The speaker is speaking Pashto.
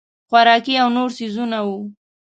خوراکي او نور څیزونه وو.